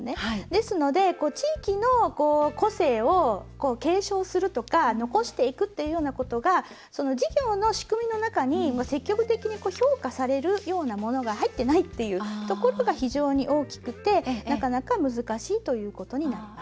ですので、地域の個性を継承するとか残していくっていうようなことが事業の仕組みの中に積極的に評価されるようなものが入ってないっていうところが非常に大きくて、なかなか難しいということになります。